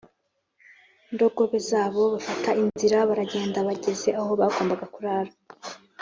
ndogobe zabo bafata inzira baragenda Bageze aho bagombaga kurara